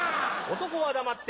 男は黙って。